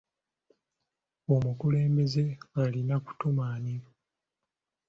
Omukulembeze alina kutuma ani?